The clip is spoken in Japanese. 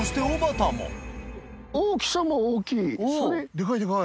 でかいでかい。